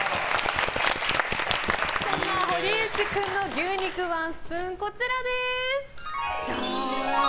堀内君の牛肉ワンスプーンこちらです！